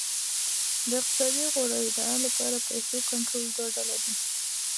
د اقتصادي غوړېدا لپاره پیسو کنټرول دوه ډوله دی.